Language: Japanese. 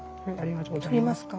取りますか？